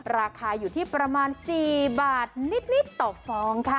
ราคาอยู่ที่ประมาณ๔บาทนิดต่อฟองค่ะ